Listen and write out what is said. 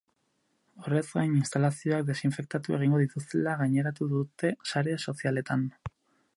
Horrez gain, instalazioak desinfektatu egingo dituztela gaineratu dute sare sozialetan.